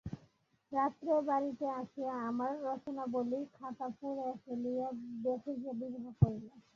রাত্রে বাড়িতে আসিয়া আমার রচনাবলীর খাতাখানা পুড়াইয়া ফেলিয়া দেশে গিয়া বিবাহ করিলাম।